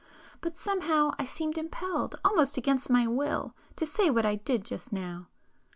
But somehow I seemed impelled, almost against my will, to say what I did just now."